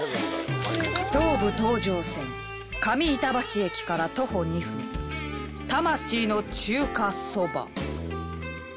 東武東上線上板橋駅から徒歩２分魂の中華そば。